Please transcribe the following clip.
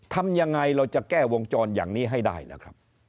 ทำยังไงเราจะแก้วงจรอย่างนี้ให้ได้นะครับ